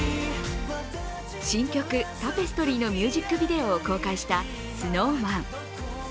新曲「タペストリー」のミュージックビデオを公開したＳｎｏｗＭａｎ。